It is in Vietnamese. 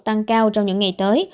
tăng cao trong những ngày tới